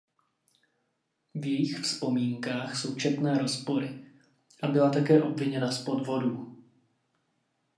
V jejích vzpomínkách jsou četné rozpory a byla také obviněna z podvodů.